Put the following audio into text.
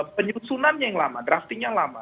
penyusunannya yang lama drafting yang lama